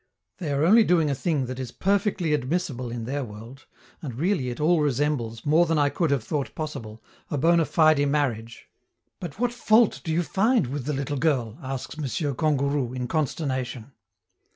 They are only doing a thing that is perfectly admissible in their world, and really it all resembles, more than I could have thought possible, a bona fide marriage. "But what fault do you find with the little girl?" asks M. Kangourou, in consternation.